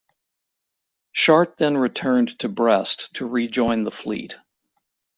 Chartres then returned to Brest to rejoin the fleet.